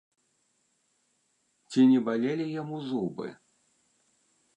Ці не балелі яму зубы?